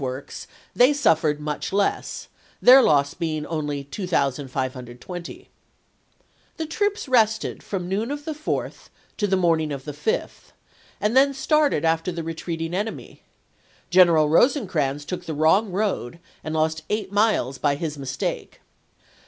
works they suffered much less, their loss being only 2520. The troops rested from noon of the 4th to the morn oct., 1862. ing of the 5th, and then started after the retreating enemy; General Eosecrans took the wrong road, and lost eight miles by his mistake.